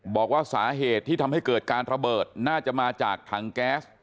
บอกว่าสาเหตุที่ทำให้เกิดการระเบิดน่าจะมาจากถังแก๊ส